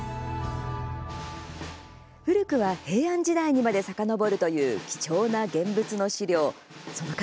古くは平安時代にまでさかのぼるという貴重な現物の資料その数